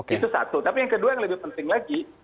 itu satu tapi yang kedua yang lebih penting lagi